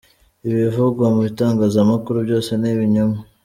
Ibivugwa mu itangazamakuru byose ni ibinyoma.”